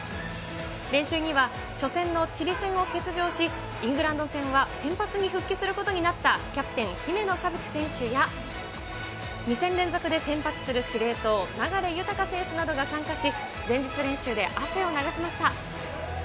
練習には初戦のチリ戦を欠場し、イングランド戦は先発に復帰することになったキャプテン、姫野和樹選手や、２戦連続で先発する司令塔、流大選手などが参加し、前日練習で汗を流しました。